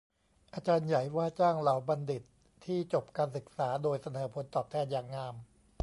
อาจารย์ใหญ่ว่าจ้างเหล่าบัณฑิตที่จบการศึกษาโดยเสนอผลตอบแทนอย่างงาม